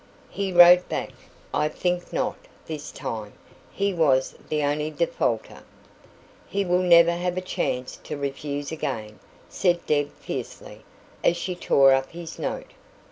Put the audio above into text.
He wrote back: "I think not, this time." He was the only defaulter. "He will never have a chance to refuse again," said Deb fiercely, as she tore up his note.